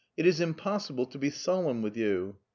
"It is impossible to be solemn with you."